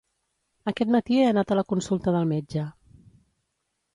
Aquest matí he anat a la consulta del metge.